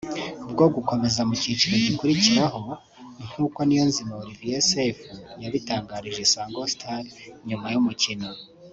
bwo gukomeza mu cyiciro gikurikiraho nkuko Niyonzima Olivier Seif yabitangarije Isango Star nyuma y’umukino